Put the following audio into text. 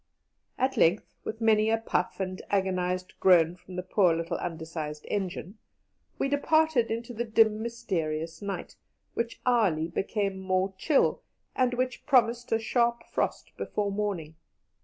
At length, with many a puff and agonized groan from the poor little undersized engine, we departed into the dim, mysterious night, which hourly became more chill, and which promised a sharp frost before morning.